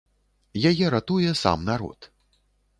Яе ратуе сам народ.